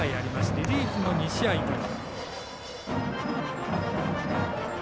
リリーフも２試合という。